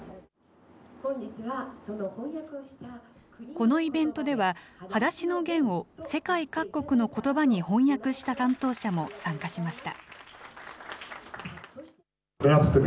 このイベントでは、はだしのゲンを世界各国のことばに翻訳した担当者も参加しました。